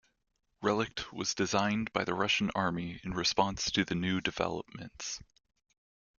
Relikt was designed by the Russian army in response to the new developments.